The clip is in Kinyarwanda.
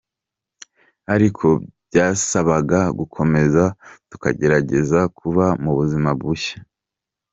Ariko byasabaga gukomeza, tukagerageza kuba mu buzima bushya.